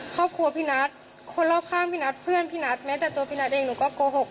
ครอบครัวพี่นัทคนรอบข้างพี่นัทเพื่อนพี่นัทแม้แต่ตัวพี่นัทเองหนูก็โกหก